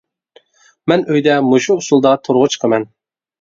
مەن ئۆيدە مۇشۇ ئۇسۇلدا تورغا چىقىمەن.